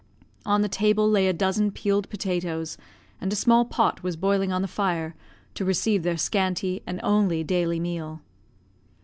On the table lay a dozen peeled potatoes, and a small pot was boiling on the fire, to receive their scanty and only daily meal.